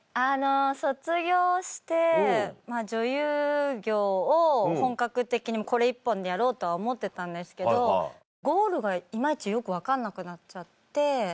卒業して女優業を本格的にこれ１本でやろうとは思ってたんですけどゴールが今イチよく分かんなくなっちゃって。